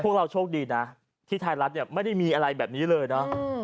พวกเราโชคดีนะที่ไทยรัฐเนี่ยไม่ได้มีอะไรแบบนี้เลยนะ